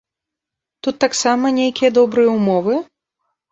Тут таксама нейкія добрыя ўмовы?